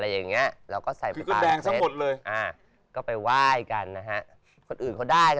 กุหลาบกี่ดอก